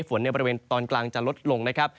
ในบริเวณตอนกลางจะลดลงนะครับ